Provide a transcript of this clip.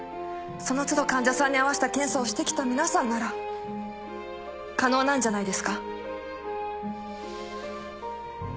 その都度患者さんに合わせた検査をしてきた皆さんなら可能なんじゃないですか？